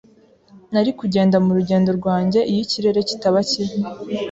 Nari kugenda mu rugendo rwanjye iyo ikirere kitaba kibi.